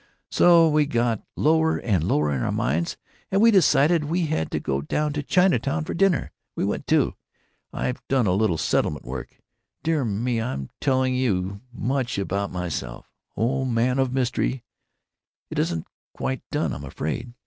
So we got lower and lower in our minds, and we decided we had to go down to Chinatown for dinner. We went, too! I've done a little settlement work——Dear me, I'm telling you too much about myself, O Man of Mystery! It isn't quite done, I'm afraid."